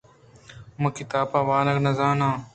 من کتاب وانگ نہ زان آں